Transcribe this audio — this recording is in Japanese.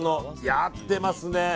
合ってますね。